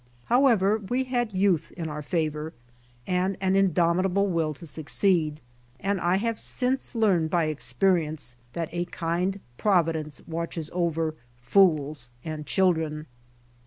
However, we had youth in our favor, and an indomitable will to succeed, and I have since learned by experience that a kind providence watches over fools and children.